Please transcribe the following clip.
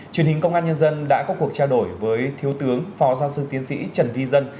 truyền hình công an nhân dân đã có cuộc trao đổi với thiếu tướng phó giáo sư tiến sĩ trần vi dân